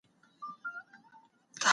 ځینې کسان مخکې ناروغ شوي وو.